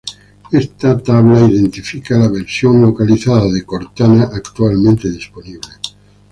Esta tabla identifica la versión localizada de Cortana actualmente disponible.